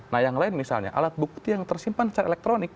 nah yang lain misalnya alat bukti yang tersimpan secara elektronik